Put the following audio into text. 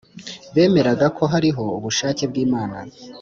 bemeraga ko hariho ubushake bw’imana,